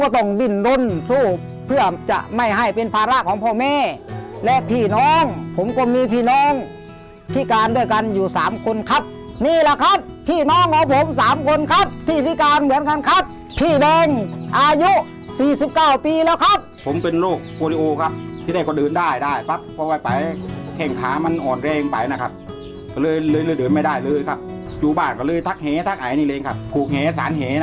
ต้องดิ้นรนสู้เพื่อจะไม่ให้เป็นภาระของพ่อแม่และพี่น้องผมก็มีพี่น้องพิการด้วยกันอยู่สามคนครับนี่แหละครับพี่น้องของผมสามคนครับที่พิการเหมือนกันครับพี่แดงอายุสี่สิบเก้าปีแล้วครับผมเป็นโรคโกริโอครับที่ได้คนอื่นได้ได้ปั๊บค่อยไปแข้งขามันอ่อนแรงไปนะครับก็เลยเลยเดินไม่ได้เลยครับอยู่บ้านก็เลยทักเหทักไอนี่เองครับผูกเหสาร